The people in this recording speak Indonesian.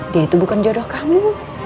dia itu bukan jodoh kamu